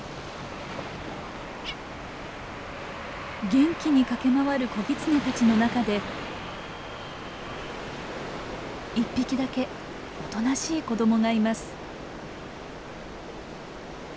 元気に駆け回る子ギツネたちの中で１匹だけおとなしい子どもがいます。